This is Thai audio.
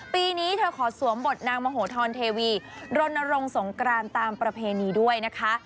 ปีนี้เธอขอสวมบทนางมโหธรเทวีรณรงค์สงกรานตามประเพณีด้วยนะคะ